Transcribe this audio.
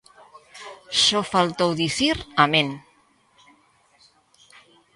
Só faltou dicir amén.